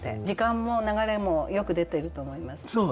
時間も流れもよく出てると思います。